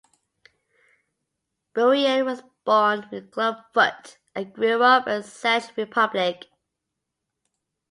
Burian was born with club foot and grew up in the Czech Republic.